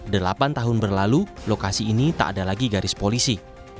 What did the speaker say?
delapan tahun berlalu lokasi ini tak ada lagi garis polisi